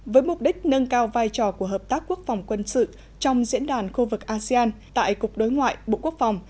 với mục đích nâng cao vai trò của hợp tác quốc phòng quân sự trong diễn đàn khu vực asean tại cục đối ngoại bộ quốc phòng